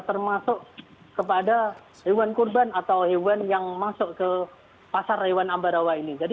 termasuk kepada hewan kurban atau hewan yang masuk ke pasar hewan ambarawa ini